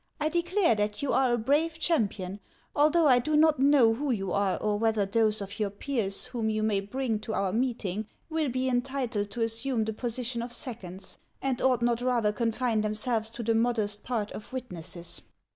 " I declare that you are a brave champion, although I do not know who you are or whether those of your peers whom you may bring to our meeting will be entitled to assume the position of seconds, and ought not rather confine themselves to the modest part of witnesses."